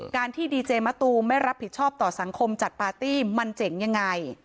การที่ดีเจมะตูมไม่รับผิดชอบต่อสังคมจัดปาร์ตี้มันเจ๋งยังไง